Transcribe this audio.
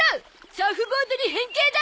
サーフボードに変形だ！